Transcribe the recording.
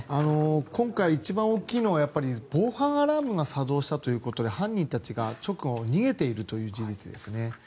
今回、一番大きいのは防犯アラームが作動したということで犯人たちが直後に逃げているという事実ですね。